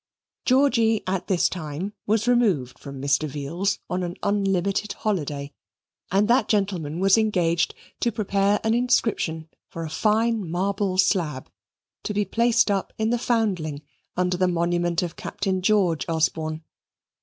Georgy at this time was removed from Mr. Veal's on an unlimited holiday, and that gentleman was engaged to prepare an inscription for a fine marble slab, to be placed up in the Foundling under the monument of Captain George Osborne.